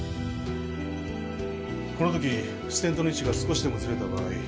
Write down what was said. このときステントの位置が少しでもずれた場合。